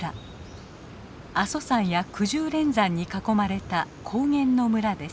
阿蘇山やくじゅう連山に囲まれた高原の村です。